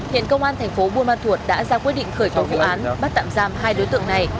hiện công an thành phố buôn ma thuột đã ra quyết định khởi tố vụ án bắt tạm giam hai đối tượng này